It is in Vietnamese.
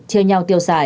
chưa nhau tiêu sài